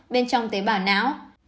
bên trong tế bảo não